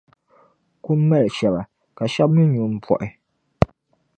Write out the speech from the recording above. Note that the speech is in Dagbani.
kum mali shɛba ka shɛb’ mi nyu m-buɣi.